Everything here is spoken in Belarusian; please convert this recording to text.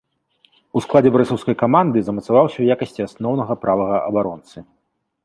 У складзе барысаўскай каманды замацаваўся ў якасці асноўнага правага абаронцы.